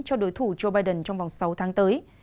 cho đối thủ joe biden trong vòng sáu tháng tới